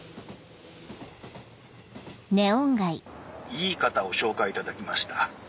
いい方を紹介いただきました。